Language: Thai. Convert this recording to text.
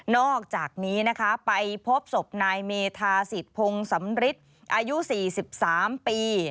อกจากนี้นะคะไปพบศพนายเมธาสิทธิพงสำริทอายุ๔๓ปี